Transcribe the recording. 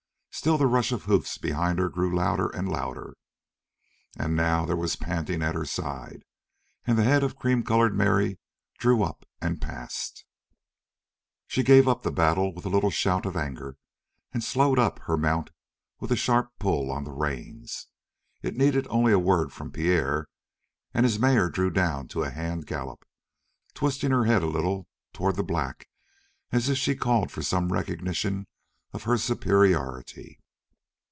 Still the rush of hoofs behind her grew louder and louder, and now there was a panting at her side and the head of cream colored Mary drew up and past. She gave up the battle with a little shout of anger and slowed up her mount with a sharp pull on the reins. It needed only a word from Pierre and his mare drew down to a hand gallop, twisting her head a little toward the black as if she called for some recognition of her superiority.